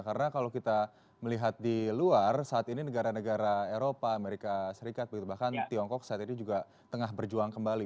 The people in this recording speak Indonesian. karena kalau kita melihat di luar saat ini negara negara eropa amerika serikat bahkan tiongkok saat ini juga tengah berjuang kembali